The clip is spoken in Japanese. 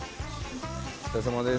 お疲れさまです。